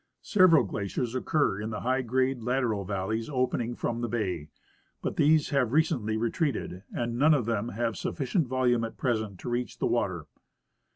Several glaciers occur in the high grade lateral valleys opening from the bay; but these have recently retreated, and none of them have sufficient volume at present to reach the water.